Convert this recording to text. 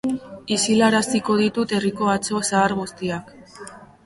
Isilaraziko ditut herriko atso zahar guztiak.